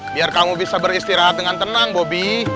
biar kamu bisa beristirahat dengan tenang bobby